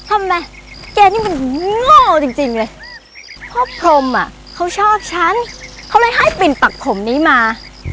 ทำไมแกนี่มันโง่จริงจริงเลยพ่อพรมอ่ะเขาชอบฉันเขาเลยให้ปิ่นปักผมนี้มา